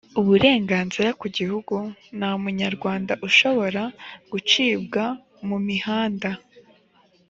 uburenganzira ku gihugu nta munyarwanda ushobora gucibwa mumihanda